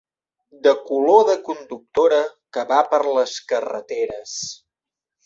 De color de conductora que va per les carreteres